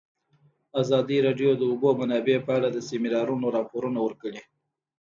ازادي راډیو د د اوبو منابع په اړه د سیمینارونو راپورونه ورکړي.